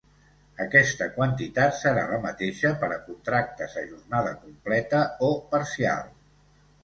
Aquesta quantitat serà la mateixa per a contractes a jornada completa o parcial.